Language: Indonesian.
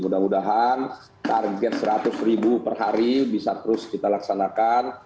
mudah mudahan target seratus ribu per hari bisa terus kita laksanakan